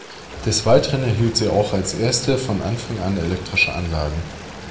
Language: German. Des Weiteren erhielten sie auch als erste von Anfang an elektrische Anlagen.